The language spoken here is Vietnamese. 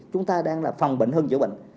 chúng ta đang là phòng bệnh hơn chữa bệnh